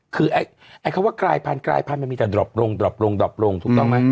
คือไอ้เขาว่ากรายพันธุ์มันมีแต่ดรอปลงถูกต้องไหม